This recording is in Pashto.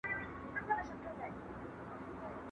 پوه سړی اوس د ټولني اصلاح کوي.